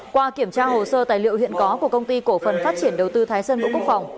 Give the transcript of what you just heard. qua kiểm tra hồ sơ tài liệu hiện có của công ty cổ phần phát triển đầu tư thái sơn bộ quốc phòng